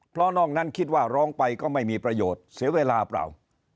เพราะนอกนั้นคิดว่าร้องไปก็ไม่มีประโยชน์เสียเวลาเปล่า